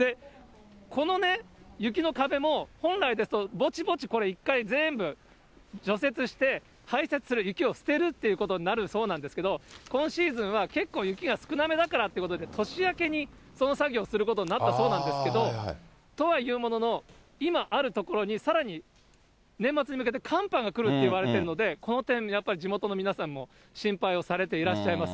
この雪の壁も、本来ですとぼちぼちこれ、一回これ、全部除雪して排雪する、雪を捨てるということになるそうなんですけど、今シーズンは結構雪が少な目だからということで、年明けにその作業をすることになったそうなんですけれども、とはいうものの、今ある所にさらに年末に向けて寒波が来るっていわれてるので、この点、やっぱり地元の皆さんも心配をされていらっしゃいます。